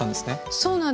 そうなんです